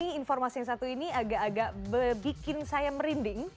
ini informasi yang satu ini agak agak bikin saya merinding